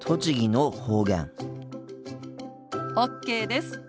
ＯＫです。